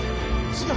違う！